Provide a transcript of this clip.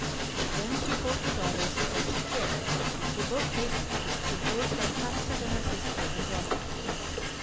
Then she called her daughters to fetch a chair. They both hastened, but Rose ran faster than her sister and brought it.